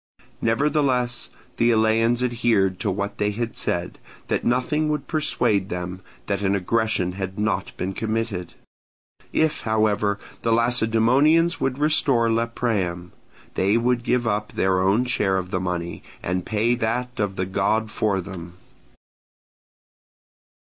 Nevertheless the Eleans adhered to what they had said, that nothing would persuade them that an aggression had not been committed; if, however, the Lacedaemonians would restore Lepreum, they would give up their own share of the money and pay that of the god for them.